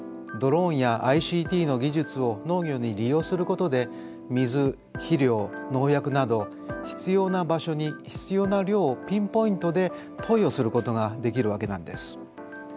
ドローンやＩＣＴの技術を農業に利用することで水肥料農薬など必要な場所に必要な量をピンポイントで投与することができるわけなんです。